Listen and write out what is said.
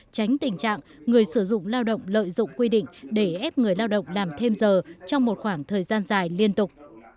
tránh tình trạng người sử dụng lao động lợi dụng quy định để ép người lao động làm thêm giờ trong một khoảng thời gian dài liên tục